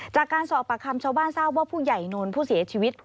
จากการสอบปากคำชาวบ้านทราบว่าผู้ใหญ่นนท์ผู้เสียชีวิต